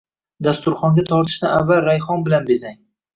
Dasturxonga tortishdan avval rayhon bilan bezang